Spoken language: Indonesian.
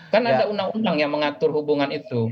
kan ada undang undang yang mengatur hubungan itu